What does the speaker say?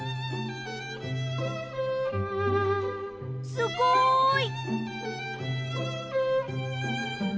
すごい！